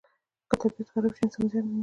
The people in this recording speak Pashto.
که طبیعت خراب شي، انسان زیان ویني.